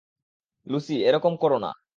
Lucy, এরকম করো না!